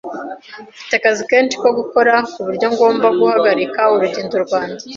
Mfite akazi kenshi ko gukora kuburyo ngomba guhagarika urugendo rwanjye.